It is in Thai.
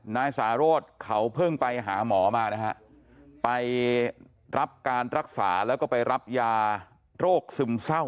นายสาโรธเขาเพิ่งไปหาหมอมานะฮะไปรับการรักษาแล้วก็ไปรับยาโรคซึมเศร้า